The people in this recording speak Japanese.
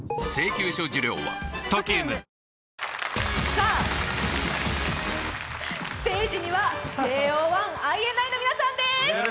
さあ、ステージにはＪＯ１、ＩＮＩの皆さんです！